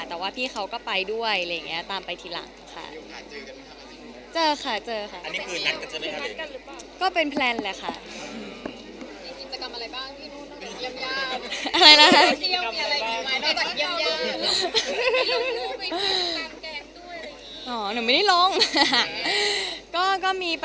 แต่ว่าพี่เขาก็ไปด้วยตามไปทีหลังค่ะ